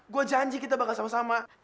gue janji kita bakal sama sama